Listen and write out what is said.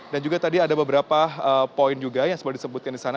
dan juga tadi ada beberapa poin juga yang sudah disebutkan di sana